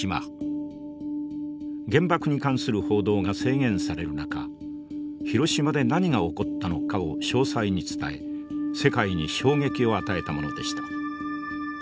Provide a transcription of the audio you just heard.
原爆に関する報道が制限される中広島で何が起こったのかを詳細に伝え世界に衝撃を与えたものでした。